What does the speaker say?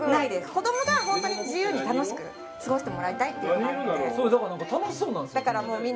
子どもが本当に自由に楽しく過ごしてもらいたいっていうのがあるのですごいだから何か楽しそうなんですよ